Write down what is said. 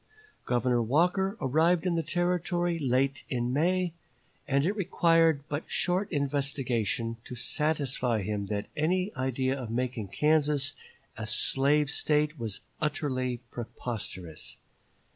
Governor Walker arrived in the Territory late in May, and it required but short investigation to satisfy him that any idea of making Kansas a slave State was utterly preposterous.